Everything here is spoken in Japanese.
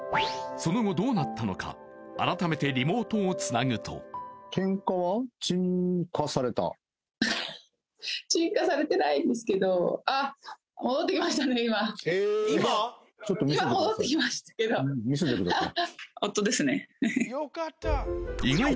その後どうなったのか改めてリモートをつなぐと今見せてください